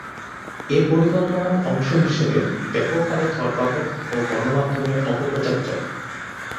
এ পরিকল্পনার অংশ হিসেবে ব্যাপক হারে ধরপাকড় ও গণমাধ্যমে অপপ্রচার চলে।